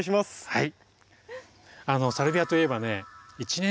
はい！